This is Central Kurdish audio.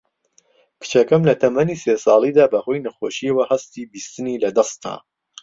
کچەکەم لە تەمەنی سێ ساڵیدا بە هۆی نەخۆشییەوە هەستی بیستنی لەدەست دا